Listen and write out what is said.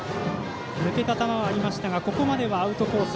抜けた球はありましたがここまではアウトコース